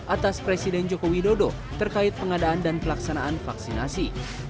atas presiden joko widodo terkait pengadaan dan pelaksanaan vaksinasi